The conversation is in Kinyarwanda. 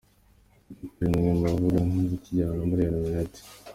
Katy Perry ni umwe mubavuga rikijyana muri illuminati.